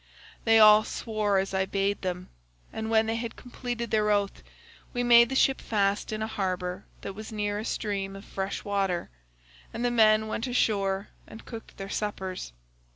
"They all swore as I bade them, and when they had completed their oath we made the ship fast in a harbour that was near a stream of fresh water, and the men went ashore and cooked their suppers.